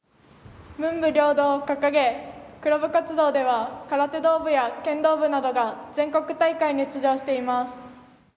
文武両道を掲げクラブ活動では空手道部や剣道部などが全国大会に出場しています。